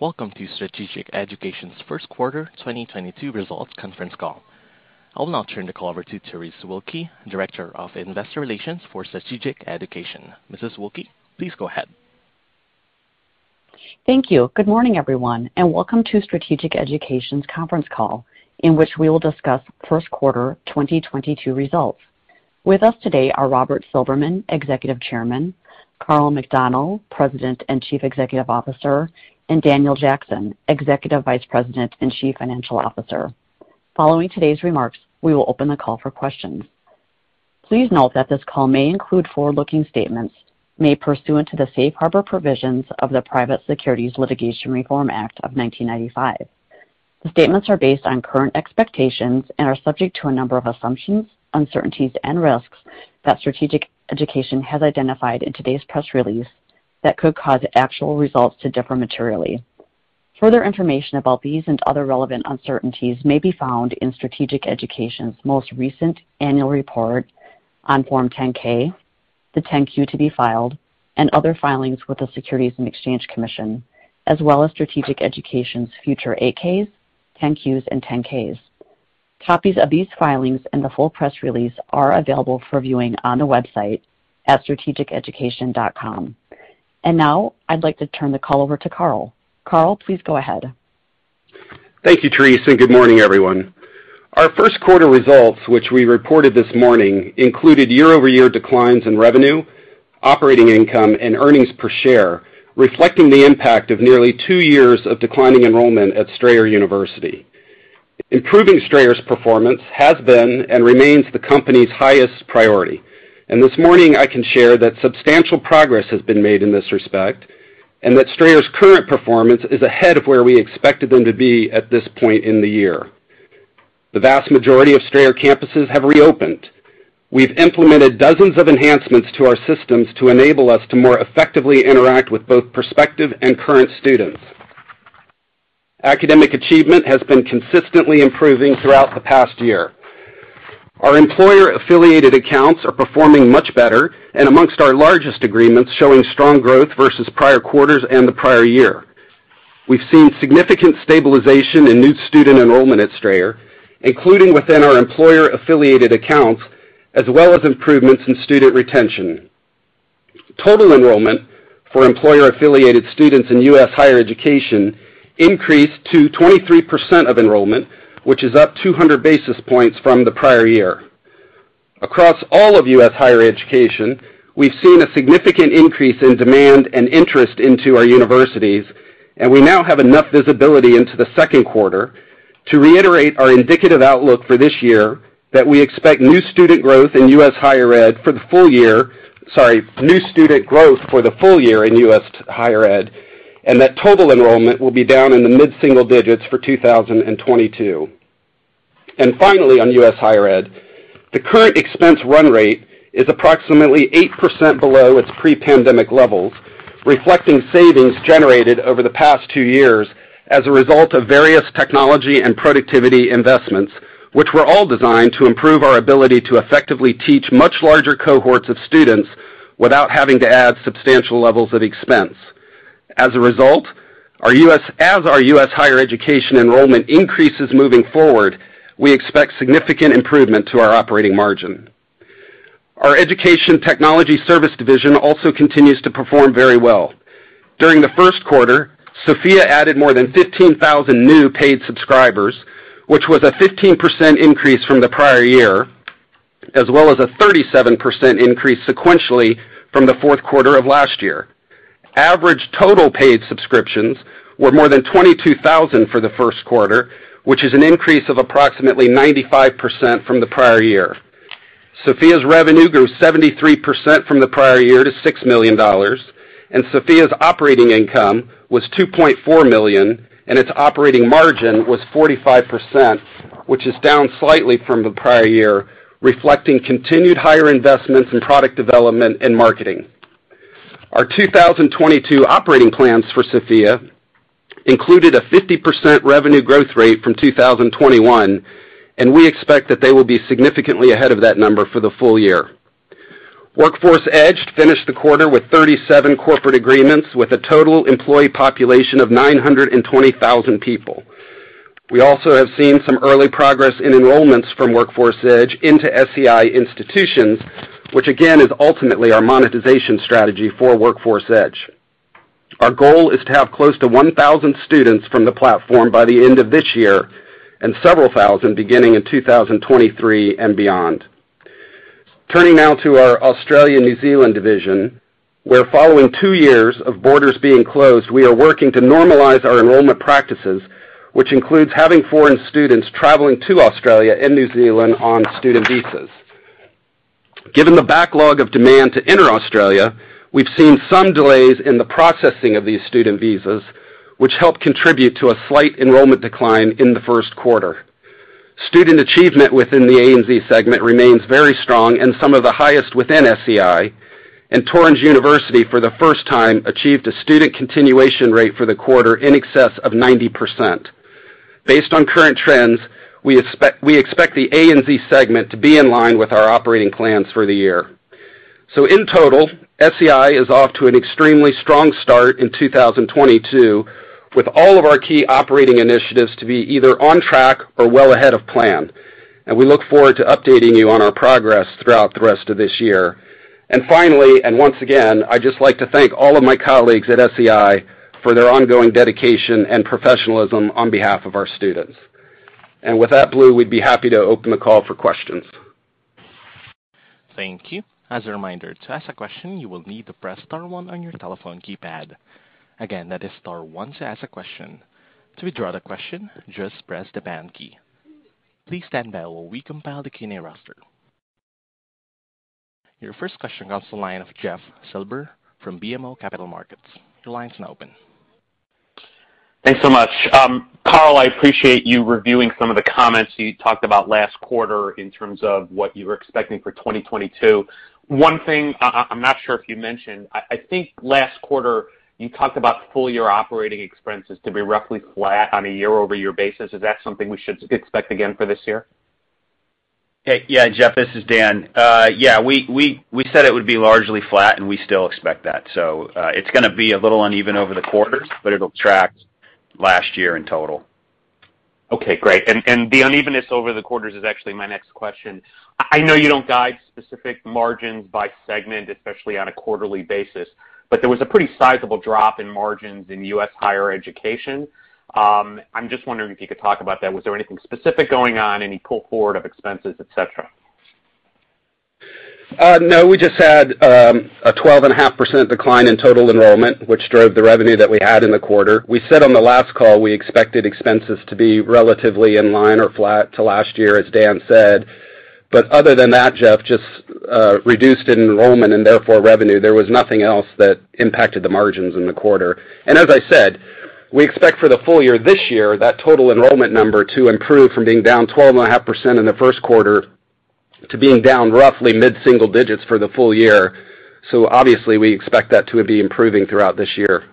Welcome to Strategic Education's first quarter 2022 results conference call. I will now turn the call over to Terese Wilke, Director of Investor Relations for Strategic Education. Mrs. Wilke, please go ahead. Thank you. Good morning, everyone, and welcome to Strategic Education's conference call, in which we will discuss first quarter 2022 results. With us today are Robert Silberman, Executive Chairman, Karl McDonnell, President and Chief Executive Officer, and Daniel Jackson, Executive Vice President and Chief Financial Officer. Following today's remarks, we will open the call for questions. Please note that this call may include forward-looking statements made pursuant to the Safe Harbor provisions of the Private Securities Litigation Reform Act of 1995. The statements are based on current expectations and are subject to a number of assumptions, uncertainties, and risks that Strategic Education has identified in today's press release that could cause actual results to differ materially. Further information about these and other relevant uncertainties may be found in Strategic Education's most recent annual report on Form 10-K, the 10-Q to be filed, and other filings with the Securities and Exchange Commission, as well as Strategic Education's future 8-Ks, 10-Qs, and 10-Ks. Copies of these filings and the full press release are available for viewing on the website at strategiceducation.com. Now I'd like to turn the call over to Karl McDonnell. Karl McDonnell, please go ahead. Thank you, Terese. Good morning, everyone. Our first quarter results, which we reported this morning, included year-over-year declines in revenue, operating income, and earnings per share, reflecting the impact of nearly two years of declining enrollment at Strayer University. Improving Strayer's performance has been and remains the company's highest priority. This morning, I can share that substantial progress has been made in this respect and that Strayer's current performance is ahead of where we expected them to be at this point in the year. The vast majority of Strayer campuses have reopened. We've implemented dozens of enhancements to our systems to enable us to more effectively interact with both prospective and current students. Academic achievement has been consistently improving throughout the past year. Our employer-affiliated accounts are performing much better, and amongst our largest agreements, showing strong growth versus prior quarters and the prior year. We've seen significant stabilization in new student enrollment at Strayer, including within our employer-affiliated accounts, as well as improvements in student retention. Total enrollment for employer-affiliated students in US higher education increased to 23% of enrollment, which is up 200 basis points from the prior year. Across all of US higher education, we've seen a significant increase in demand and interest in our universities, and we now have enough visibility into the second quarter to reiterate our indicative outlook for this year that we expect new student growth for the full year in US higher ed, and that total enrollment will be down in the mid-single digits for 2022. Finally, on U.S. higher ed, the current expense run rate is approximately 8% below its pre-pandemic levels, reflecting savings generated over the past two years as a result of various technology and productivity investments, which were all designed to improve our ability to effectively teach much larger cohorts of students without having to add substantial levels of expense. As a result, as our U.S. higher education enrollment increases moving forward, we expect significant improvement to our operating margin. Our education technology service division also continues to perform very well. During the first quarter, Sophia added more than 15,000 new paid subscribers, which was a 15% increase from the prior year, as well as a 37% increase sequentially from the fourth quarter of last year. Average total paid subscriptions were more than 22,000 for the first quarter, which is an increase of approximately 95% from the prior year. Sophia's revenue grew 73% from the prior year to $6 million, and Sophia's operating income was $2.4 million, and its operating margin was 45%, which is down slightly from the prior year, reflecting continued higher investments in product development and marketing. Our 2022 operating plans for Sophia included a 50% revenue growth rate from 2021, and we expect that they will be significantly ahead of that number for the full year. Workforce Edge finished the quarter with 37 corporate agreements with a total employee population of 920,000 people. We also have seen some early progress in enrollments from Workforce Edge into SEI institutions, which again, is ultimately our monetization strategy for Workforce Edge. Our goal is to have close to 1,000 students from the platform by the end of this year and several thousand beginning in 2023 and beyond. Turning now to our Australia/New Zealand division, where following two years of borders being closed, we are working to normalize our enrollment practices, which includes having foreign students traveling to Australia and New Zealand on student visas. Given the backlog of demand to enter Australia, we've seen some delays in the processing of these student visas, which help contribute to a slight enrollment decline in the first quarter. Student achievement within the ANZ segment remains very strong and some of the highest within SEI. Torrens University, for the first time, achieved a student continuation rate for the quarter in excess of 90%. Based on current trends, we expect the ANZ segment to be in line with our operating plans for the year. In total, SEI is off to an extremely strong start in 2022, with all of our key operating initiatives to be either on track or well ahead of plan. We look forward to updating you on our progress throughout the rest of this year. Finally, and once again, I'd just like to thank all of my colleagues at SEI for their ongoing dedication and professionalism on behalf of our students. With that, Blue, we'd be happy to open the call for questions. Thank you. As a reminder, to ask a question, you will need to press star one on your telephone keypad. Again, that is star one to ask a question. To withdraw the question, just press the pound key. Please stand by while we compile the Q&A roster. Your first question comes from the line of Jeff Silber from BMO Capital Markets. Your line is now open. Thanks so much. Karl, I appreciate you reviewing some of the comments you talked about last quarter in terms of what you were expecting for 2022. One thing I'm not sure if you mentioned. I think last quarter you talked about full year operating expenses to be roughly flat on a year-over-year basis. Is that something we should expect again for this year? Yeah, Jeff, this is Dan. Yeah, we said it would be largely flat, and we still expect that. It's gonna be a little uneven over the quarters, but it'll track last year in total. Okay, great. The unevenness over the quarters is actually my next question. I know you don't guide specific margins by segment, especially on a quarterly basis, but there was a pretty sizable drop in margins in U.S. higher education. I'm just wondering if you could talk about that. Was there anything specific going on, any pull-forward of expenses, et cetera? No. We just had a 12.5% decline in total enrollment, which drove the revenue that we had in the quarter. We said on the last call, we expected expenses to be relatively in line or flat to last year, as Dan said. Other than that, Jeff, just reduced enrollment and therefore revenue, there was nothing else that impacted the margins in the quarter. As I said, we expect for the full year this year, that total enrollment number to improve from being down 12.5% in the first quarter to being down roughly mid-single digits% for the full year. Obviously we expect that to be improving throughout this year.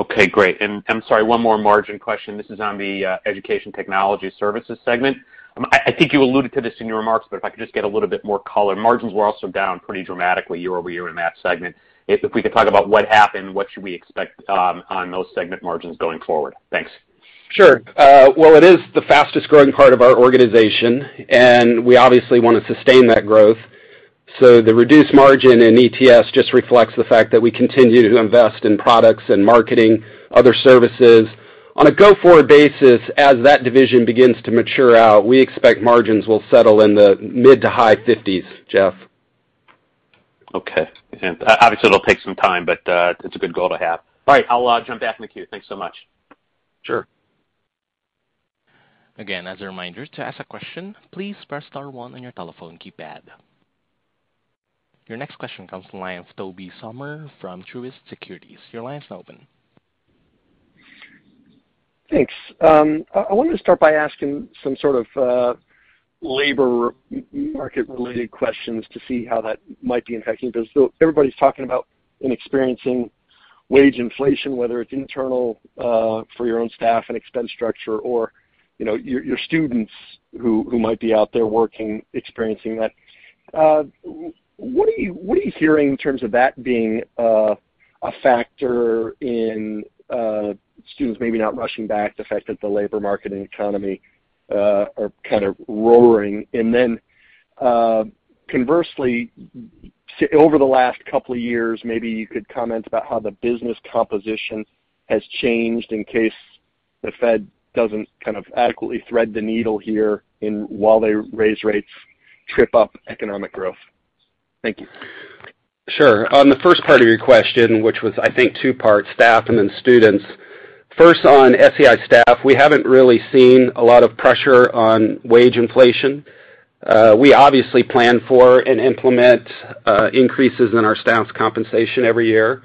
Okay, great. I'm sorry, one more margin question. This is on the Education Technology Services segment. I think you alluded to this in your remarks, but if I could just get a little bit more color. Margins were also down pretty dramatically year-over-year in that segment. If we could talk about what happened, what should we expect on those segment margins going forward? Thanks. Sure. Well, it is the fastest-growing part of our organization, and we obviously wanna sustain that growth. The reduced margin in ETS just reflects the fact that we continue to invest in products and marketing other services. On a go-forward basis, as that division begins to mature out, we expect margins will settle in the mid- to high 50s%, Jeff. Okay. Obviously it'll take some time, but it's a good goal to have. All right, I'll jump back in the queue. Thanks so much. Sure. Again, as a reminder, to ask a question, please press star one on your telephone keypad. Your next question comes from the line of Tobey Sommer from Truist Securities. Your line is now open. Thanks. I wanted to start by asking some sort of labor market related questions to see how that might be impacting business. Everybody's talking about and experiencing wage inflation, whether it's internal for your own staff and expense structure or, you know, your students who might be out there working, experiencing that. What are you hearing in terms of that being a factor in students maybe not rushing back, the fact that the labor market and economy are kind of roaring? Conversely, over the last couple of years, maybe you could comment about how the business composition has changed in case Federal Reserve doesn't kind of adequately thread the needle here and while they raise rates, trip up economic growth. Thank you. Sure. On the first part of your question, which was, I think, two-part, staff and then students. First, on SEI staff, we haven't really seen a lot of pressure on wage inflation. We obviously plan for and implement increases in our staff's compensation every year.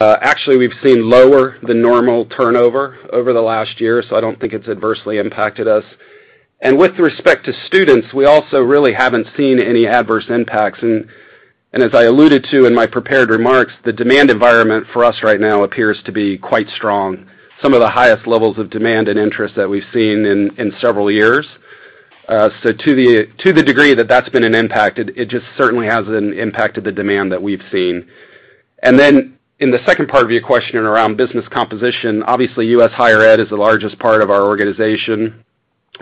Actually, we've seen lower than normal turnover over the last year, so I don't think it's adversely impacted us. With respect to students, we also really haven't seen any adverse impacts. As I alluded to in my prepared remarks, the demand environment for us right now appears to be quite strong, some of the highest levels of demand and interest that we've seen in several years. To the degree that that's been an impact, it just certainly hasn't impacted the demand that we've seen. In the second part of your question around business composition, obviously, U.S. higher ed is the largest part of our organization.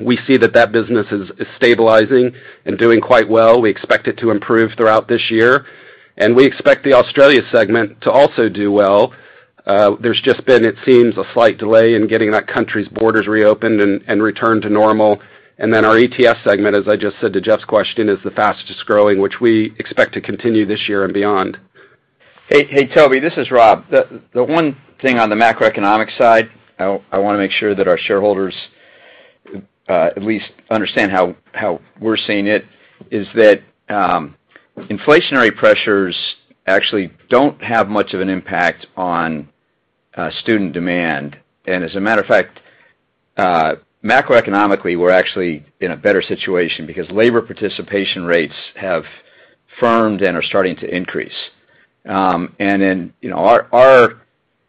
We see that business is stabilizing and doing quite well. We expect it to improve throughout this year, and we expect the Australia segment to also do well. There's just been, it seems, a slight delay in getting that country's borders reopened and returned to normal. Our ETS segment, as I just said to Jeff's question, is the fastest-growing, which we expect to continue this year and beyond. Hey, Toby, this is Rob. The one thing on the macroeconomic side, I wanna make sure that our shareholders at least understand how we're seeing it, is that inflationary pressures actually don't have much of an impact on student demand. As a matter of fact, macroeconomically, we're actually in a better situation because labor participation rates have firmed and are starting to increase. You know, our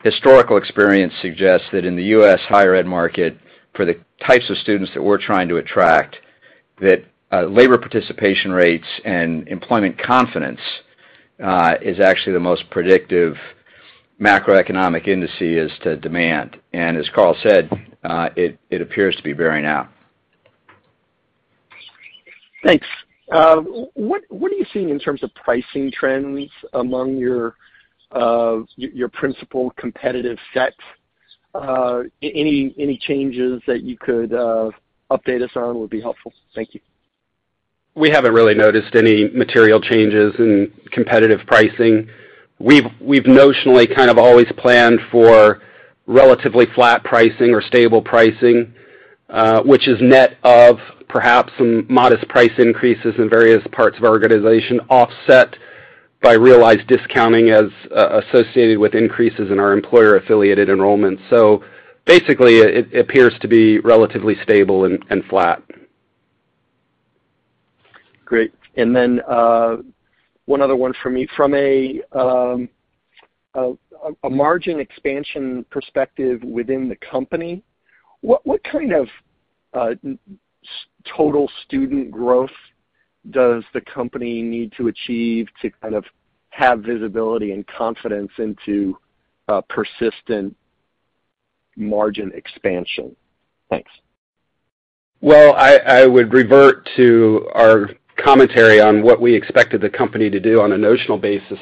Historical experience suggests that in the U.S. higher ed market, for the types of students that we're trying to attract, that, labor participation rates and employment confidence, is actually the most predictive macroeconomic indices to demand. As Karl said, it appears to be bearing out. Thanks. What are you seeing in terms of pricing trends among your principal competitive set? Any changes that you could update us on would be helpful. Thank you. We haven't really noticed any material changes in competitive pricing. We've notionally kind of always planned for relatively flat pricing or stable pricing, which is net of perhaps some modest price increases in various parts of our organization, offset by realized discounting as associated with increases in our employer-affiliated enrollments. Basically, it appears to be relatively stable and flat. Great. One other one for me. From a margin expansion perspective within the company, what kind of total student growth does the company need to achieve to kind of have visibility and confidence into persistent margin expansion? Thanks. Well, I would revert to our commentary on what we expected the company to do on a notional basis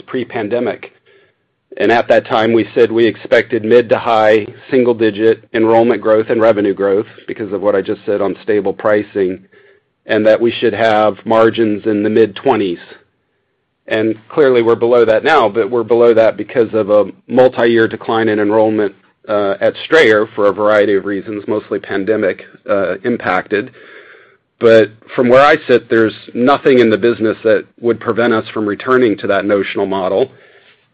pre-pandemic. At that time, we said we expected mid to high single-digit enrollment growth and revenue growth because of what I just said on stable pricing, and that we should have margins in the mid-20s. Clearly, we're below that now, but we're below that because of a multi-year decline in enrollment at Strayer for a variety of reasons, mostly pandemic impacted. From where I sit, there's nothing in the business that would prevent us from returning to that notional model.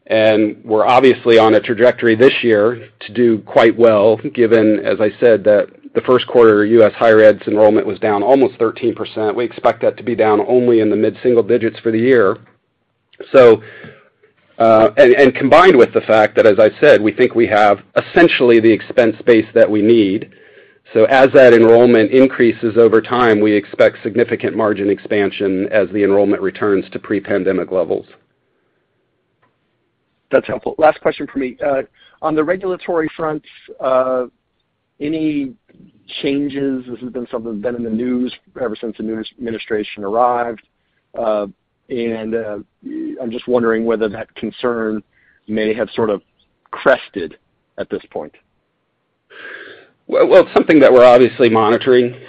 We're obviously on a trajectory this year to do quite well, given, as I said, that the first quarter U.S. higher ed's enrollment was down almost 13%. We expect that to be down only in the mid-single digits for the year. Combined with the fact that, as I said, we think we have essentially the expense base that we need. As that enrollment increases over time, we expect significant margin expansion as the enrollment returns to pre-pandemic levels. That's helpful. Last question for me. On the regulatory front, any changes? This has been something that's been in the news ever since the new administration arrived, and I'm just wondering whether that concern may have sort of crested at this point. Well, it's something that we're obviously monitoring.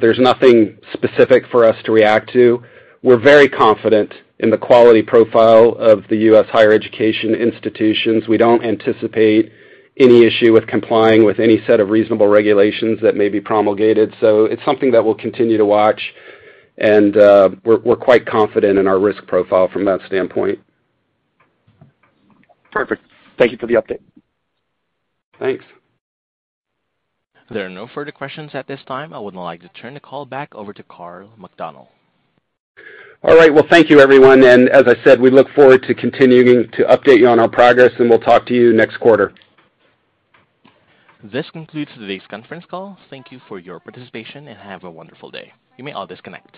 There's nothing specific for us to react to. We're very confident in the quality profile of the U.S. higher education institutions. We don't anticipate any issue with complying with any set of reasonable regulations that may be promulgated. It's something that we'll continue to watch and we're quite confident in our risk profile from that standpoint. Perfect. Thank you for the update. Thanks. There are no further questions at this time. I would now like to turn the call back over to Karl McDonnell. All right. Well, thank you, everyone. As I said, we look forward to continuing to update you on our progress, and we'll talk to you next quarter. This concludes today's conference call. Thank you for your participation, and have a wonderful day. You may all disconnect.